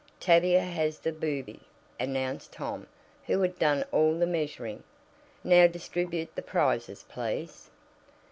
"Tavia has the 'Booby,'" announced Tom, who had done all the measuring, "Now distribute the prizes, please."